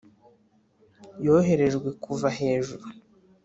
yoherejwe kuva hejuru,